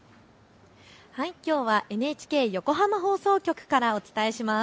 きょうはＮＨＫ横浜放送局からお伝えします。